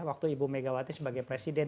waktu ibu megawati sebagai presiden